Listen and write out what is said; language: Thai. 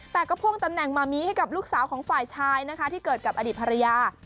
แต่ก็พ่วงตำแหน่งมามีให้กับลูกสาวของฝ่ายชายนะคะที่เกิดกับอดีตภรรยา